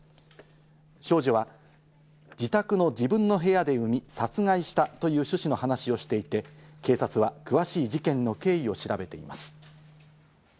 少女は自宅の自分の部屋で産み、殺害したという趣旨の話をしていて、警察は詳しい事件の経緯を調べています。